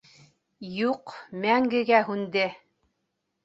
— Юҡ, мәңгегә һүнде.